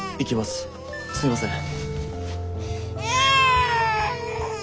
すいません。